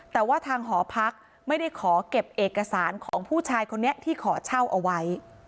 แต่ว่าทางหอพักไม่ได้ขอเก็บเอกสารของผู้ชายคนนี้ที่ขอเช่าเอาไว้